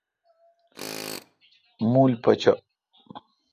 موُل پچہ۔